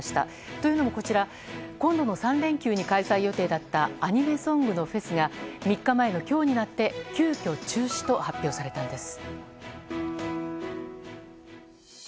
というのも今度の３連休に開催予定だったアニメソングのフェスが３日前の今日になって急きょ、中止と発表されたんです。